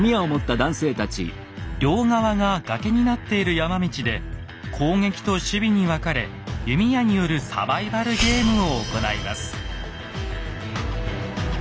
両側が崖になっている山道で攻撃と守備に分かれ弓矢によるサバイバルゲームを行います。